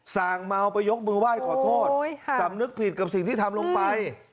่างเมาไปยกมือไหว้ขอโทษสำนึกผิดกับสิ่งที่ทำลงไป